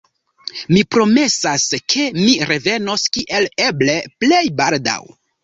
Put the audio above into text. Mi promesas, ke mi revenos kiel eble plej baldaŭ.